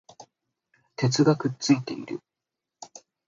鉄がくっついている